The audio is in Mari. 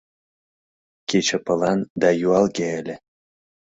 Кече пылан да юалге ыле.